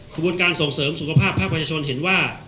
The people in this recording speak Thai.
กระบวนการส่งเสริมสุขภาพภาคประชาชนเห็นว่า